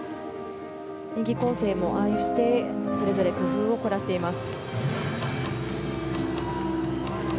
演技構成もそれぞれ工夫を凝らしています。